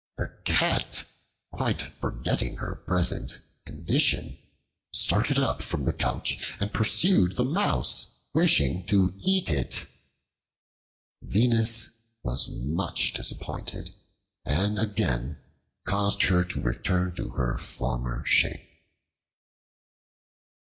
The Cat, quite forgetting her present condition, started up from the couch and pursued the mouse, wishing to eat it. Venus was much disappointed and again caused her to return to her former shape.